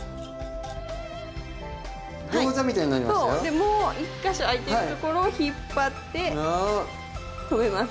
でもう一か所あいてるところを引っ張って留めます。